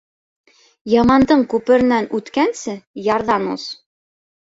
Ямандың күперенән үткәнсе, ярҙан ос.